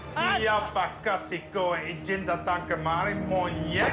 siapa kasih kau izin datang kemari monyet